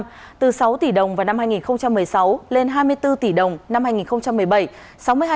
doanh thu tăng trưởng với tốc độ lớn theo từng năm từ sáu tỷ đồng vào năm hai nghìn một mươi sáu lên hai mươi bốn tỷ đồng năm hai nghìn một mươi bảy